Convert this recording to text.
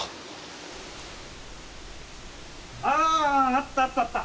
あったあったあった。